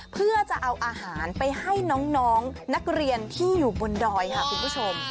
เพื่อจะเอาอาหารไปให้น้องนักเรียนที่อยู่บนดอยค่ะคุณผู้ชม